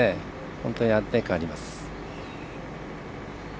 本当に安定感、あります。